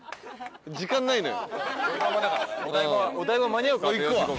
時間ないのよ。